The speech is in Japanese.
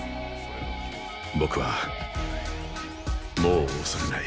僕はもう恐れない。